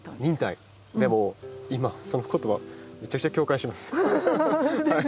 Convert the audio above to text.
でも今その言葉むちゃくちゃ共感します。